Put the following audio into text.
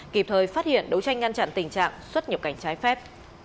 kịp thời phát hiện đấu tranh ngăn chặn tình trạng xuất nhập cảnh trái phép